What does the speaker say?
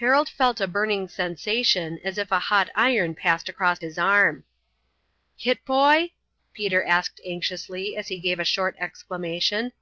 Harold felt a burning sensation, as if a hot iron passed across his arm. "Hit, boy?" Peter asked anxiously as he gave a short exclamation.